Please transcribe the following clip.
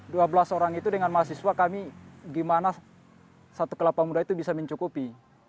dua belas orang itu dengan mahasiswa kami gimana satu kelapa muda itu bisa mencukupi